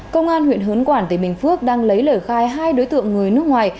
công an huyện hớn quản tỉnh bình phước đang lấy lời khai hai đối tượng người nước ngoài